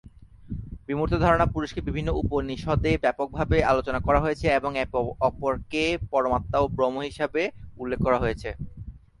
বিমূর্ত ধারণা পুরুষকে বিভিন্ন উপনিষদে ব্যাপকভাবে আলোচনা করা হয়েছে, এবং একে অপরকে পরমাত্মা ও ব্রহ্ম হিসাবে উল্লেখ করা হয়েছে।